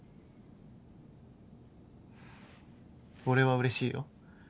俺はうれしいよ。